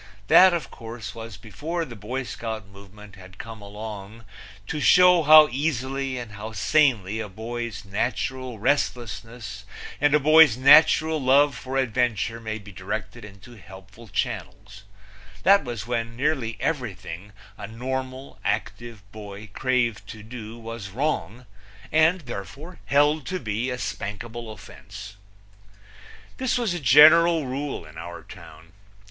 That, of course, was before the Boy Scout movement had come along to show how easily and how sanely a boy's natural restlessness and a boy's natural love for adventure may be directed into helpful channels; that was when nearly everything a normal, active boy craved to do was wrong and, therefore, held to be a spankable offense. This was a general rule in our town.